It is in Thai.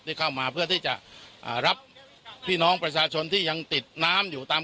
เข้ามาเพื่อที่จะรับพี่น้องประชาชนที่ยังติดน้ำอยู่ตาม